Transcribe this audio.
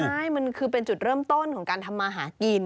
ใช่มันคือเป็นจุดเริ่มต้นของการทำมาหากิน